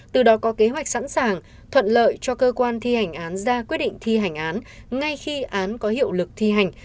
từ đó có kế hoạch sẵn sàng thuận lợi cho cơ quan thi hành án ra quyết định thi hành án ngay khi án có hiệu lực thi hành